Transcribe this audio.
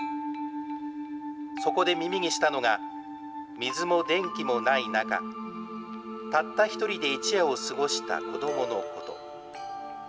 そこで耳にしたのが、水も電気もない中、たった一人で一夜を過ごした子どものこと。